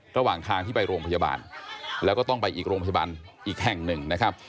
ระหว่างทางที่ไปโรงพยาบาลแล้วก็ต้องไปอีกโรงพยาบาลอีกแห่งหนึ่งนะครับ